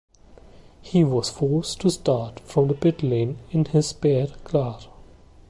He was forced to start from the pit lane in his spare car.